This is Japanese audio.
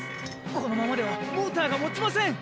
このままではモーターがもちません！